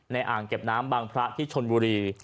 อ่างเก็บน้ำบางพระที่ชนบุรี